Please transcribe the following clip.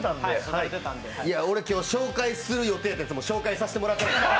俺、今日紹介する予定のやつも紹介させてもらってないから。